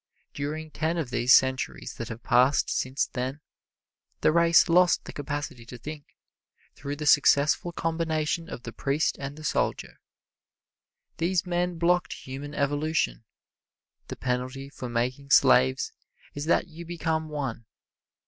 During ten of these centuries that have passed since then, the race lost the capacity to think, through the successful combination of the priest and the soldier. These men blocked human evolution. The penalty for making slaves is that you become one.